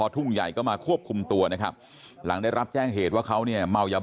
๔ทุ่มเมื่อวานนี้